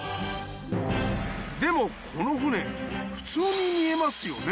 でもこの船普通に見えますよね